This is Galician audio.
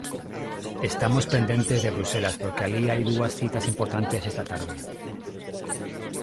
Estamos pendentes de Bruxelas porque alí hai dúas citas importantes esta tarde.